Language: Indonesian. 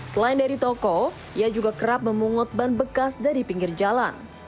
selain dari toko ia juga kerap memungut ban bekas dari pinggir jalan